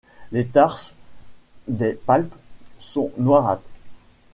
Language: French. Les tarses des palpes sont noirâtre.